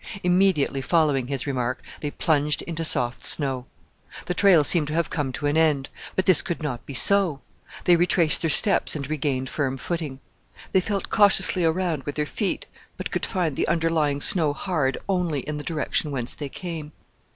Immediately following his remark they plunged into soft snow. The trail seemed to have come to an end; but this could not be so. They retraced their steps and regained firm footing. They felt cautiously around with their feet, but could find the underlying snow hard only in the direction whence they came.